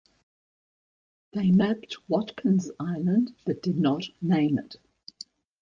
They mapped Watkins Island but did not name it.